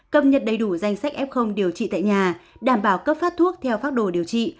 cập nhật đầy đủ danh sách f điều trị tại nhà đảm bảo cấp phát thuốc theo phác đồ điều trị